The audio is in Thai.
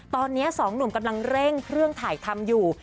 ตอนนี้สองหนุ่มกำลังเร่งเครื่องถ่ายทำอยู่